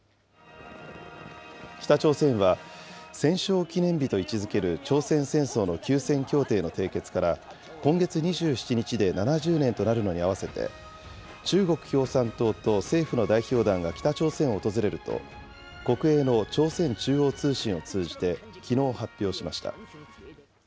北朝鮮は、戦勝記念日と位置づける朝鮮戦争の休戦協定の締結から、今月２７日で７０年となるのに合わせて、中国共産党と政府の代表団が北朝鮮を訪れると、国営の朝鮮中央通信を通じて、きのう発表しました。